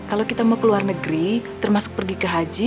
kalau kita mau ke luar negeri termasuk pergi ke haji